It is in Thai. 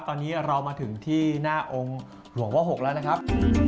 ตอนนี้เรามาถึงที่หน้าองค์หลวงพ่อ๖แล้วนะครับ